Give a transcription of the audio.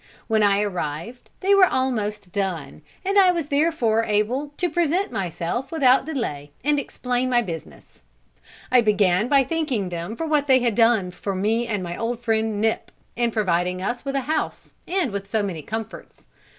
When I arrived, they were almost alone, and I was therefore able to present myself without delay, and explain my business. I began by thanking them for what they had done for me and my old friend Nip, in providing us with a house and with so many comforts.